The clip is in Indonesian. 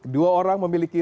dua orang memiliki